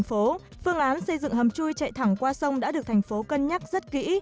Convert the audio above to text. qua đó phương án xây dựng hầm chui chạy thẳng qua sông đà nẵng đã được thành phố cân nhắc rất kỹ